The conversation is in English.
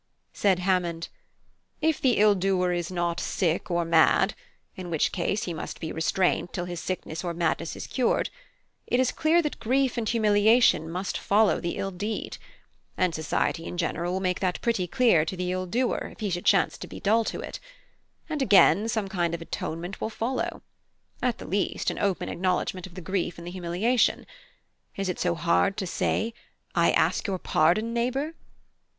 Said Hammond: "If the ill doer is not sick or mad (in which case he must be restrained till his sickness or madness is cured) it is clear that grief and humiliation must follow the ill deed; and society in general will make that pretty clear to the ill doer if he should chance to be dull to it; and again, some kind of atonement will follow, at the least, an open acknowledgement of the grief and humiliation. Is it so hard to say, I ask your pardon, neighbour?